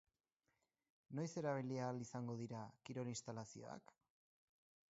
Noiz erabili ahal izango dira kirol instalazioak?